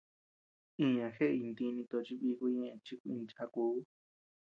Iñan jeʼey ntíni tochi bíku ñeʼe chikuinchákuu.